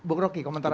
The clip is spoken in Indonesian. bok roky komentarnya